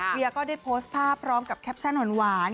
เวียก็ได้โพสต์ภาพพร้อมกับแคปชั่นหวาน